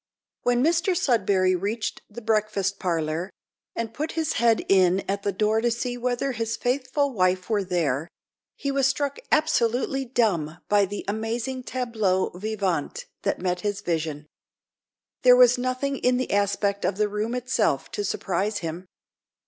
When Mr Sudberry reached the breakfast parlour, and put his head in at the door to see whether his faithful wife were there, he was struck absolutely dumb by the amazing tableau vivant that met his vision. There was nothing in the aspect of the room itself to surprise him.